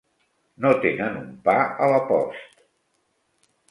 No tenen un pa a la post.